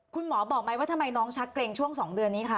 คุณหมอบอกไหมว่าทำไมน้องชักเกรงช่วง๒เดือนนี้คะ